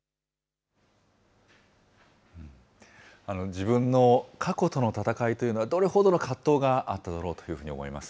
自分の過去との戦いというのは、どれほどの葛藤があっただろうというふうに思います。